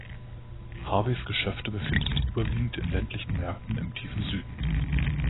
Harveys-Geschäfte befinden sich überwiegend in ländlichen Märkten im tiefen Süden.